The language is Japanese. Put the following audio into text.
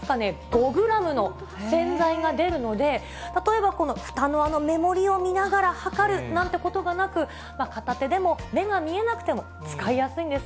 ５グラムの洗剤が出るので、例えばふたの目盛りを見ながらはかるなんてことがなく、片手でも、目が見えなくても使いやすいんです。